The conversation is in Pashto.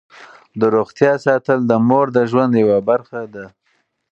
د روغتیا ساتل د مور د ژوند یوه برخه ده.